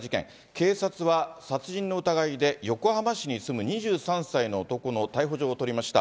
警察は殺人の疑いで横浜市に住む２３歳の男の逮捕状を取りました。